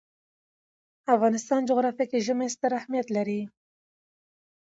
د افغانستان جغرافیه کې ژمی ستر اهمیت لري.